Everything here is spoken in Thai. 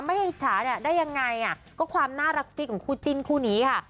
ไม่ให้ฉาได้ยังไงก็ความน่ารักฟิกของคู่จิ้นคู่นี้ค่ะ